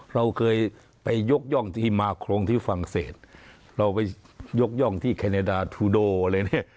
เราเคยไปยกย่องที่มาโครงที่ฝรั่งเศสเราไปยกย่องที่แคเนดาทูโดอะไรเนี่ย